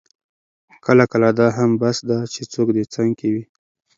کله کله دا هم بس ده چې څوک دې څنګ کې وي.